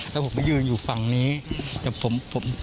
แล้วผมก็ยืนอยู่ฝั่งนี้แต่ผม